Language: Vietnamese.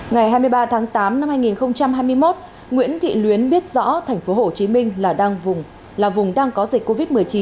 ngày hai mươi ba tháng tám năm hai nghìn hai mươi một nguyễn thị luyến biết rõ thành phố hồ chí minh là vùng đang có dịch covid một mươi chín